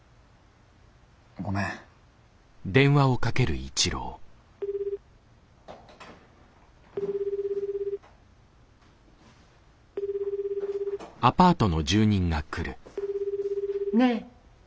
ごめん。ねえ。